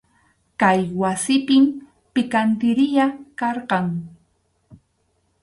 Kay wasipim pikantiriya karqan.